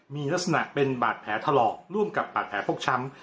มีลักษณะเป็นบาดแผลถลอกร่วมกับบาดแผลฟกช้ำ